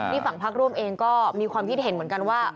นี่ฝั่งพักร่วมเองก็มีความคิดเห็นเหมือนกันว่า